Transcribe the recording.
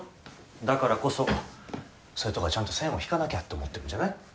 だからこそそういうとこはちゃんと線を引かなきゃって思ってるんじゃない？